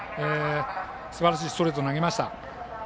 すばらしいストレートを投げました。